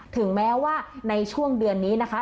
ถึงแม้ว่าในช่วงเดือนนี้นะคะ